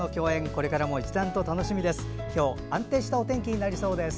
これからも一段と楽しみです。